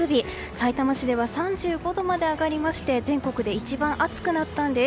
さいたま市では３５度まで上がりまして全国で一番暑くなったんです。